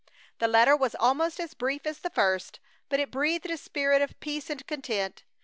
This letter was almost as brief as the first, but it breathed a spirit of peace and content.